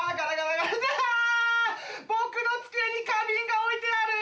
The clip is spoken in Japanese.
僕の机に花瓶が置いてある！